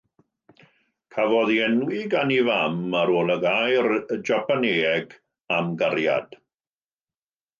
Cafodd ei enwi gan ei fam ar ôl y gair Japanead am “gariad”.